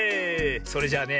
それじゃあね